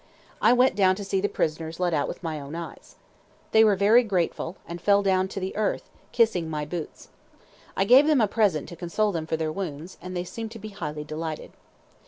I went down to see the prisoners let out with my own eyes. They were very grateful, and fell down to the earth, kissing my boots. I gave them a present to console them for their wounds, and they seemed to be highly delighted.